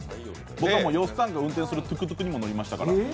僕はよっさんが運転するトゥクトゥクにも乗りました。